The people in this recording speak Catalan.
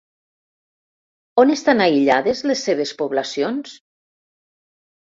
On estan aïllades les seves poblacions?